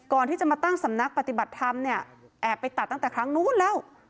ก่อนที่จะมาตั้งสำนักปฏิบัติธรรมเนี่ยแอบไปตัดตั้งแต่ครั้งนู้นแล้ว